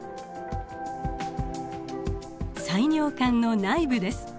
細尿管の内部です。